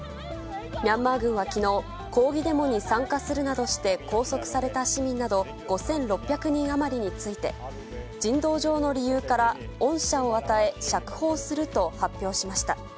ミャンマー軍はきのう、抗議デモに参加するなどして拘束された市民など５６００人余りについて、人道上の理由から、恩赦を与え、釈放すると発表しました。